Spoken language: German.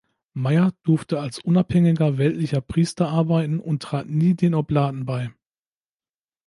Mayr durfte als unabhängiger weltlicher Priester arbeiten und trat nie den Oblaten bei.